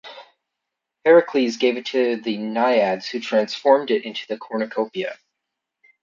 Heracles gave it to the Naiads, who transformed it into the cornucopia.